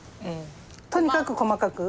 とにかく細かく？